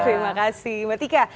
terima kasih mbak tika